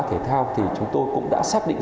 thể thao thì chúng tôi cũng đã xác định